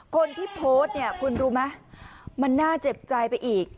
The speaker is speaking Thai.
คนที่โพสต์เนี่ยคุณรู้ไหมมันน่าเจ็บใจไปอีก